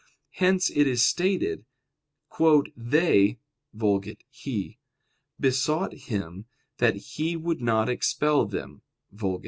Hence it is stated, "They [Vulg. 'He'] besought Him that He would not expel them [Vulg.